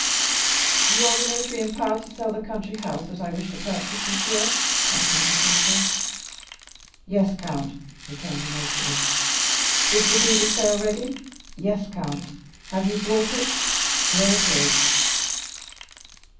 "You are the notary empowered to sell the country house that I wish to purchase, monsieur?" asked Monte Cristo. "Yes, count," returned the notary. "Is the deed of sale ready?" "Yes, count." "Have you brought it?" "Here it is."